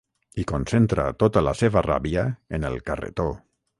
I concentra tota la seva ràbia en el carretó.